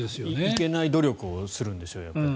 いけない努力をするんでしょう、やっぱり。